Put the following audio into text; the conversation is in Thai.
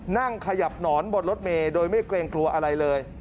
นั่งขยับหนอนบนรถเมย์โดยไม่เกรงกลัวอะไรเลย